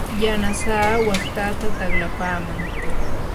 yanasaa waqtataa taqlapaman.